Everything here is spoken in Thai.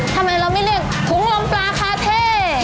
ทำไมเราไม่เรียกถุงลมปลาคาเท่